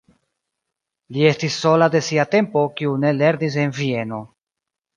Li estis sola de sia tempo, kiu ne lernis en Vieno.